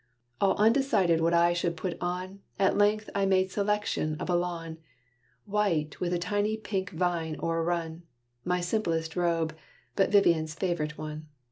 All undecided what I should put on, At length I made selection of a lawn White, with a tiny pink vine overrun: My simplest robe, but Vivian's favorite one.